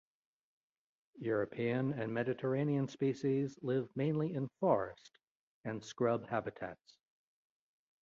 The European and Mediterranean species live mainly in forest and scrub habitats.